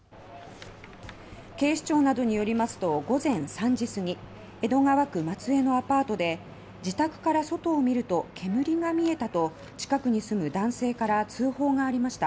警視庁などによりますと午前３時すぎ江戸川区松江のアパートで自宅から外を見ると煙が見えたと近くに住む男性から通報がありました。